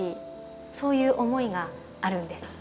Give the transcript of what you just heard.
そういう思いがあるんです。